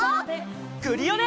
クリオネ！